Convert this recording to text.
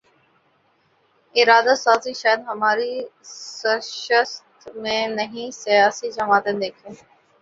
ادارہ سازی شاید ہماری سرشت میں نہیں سیاسی جماعتیں دیکھیے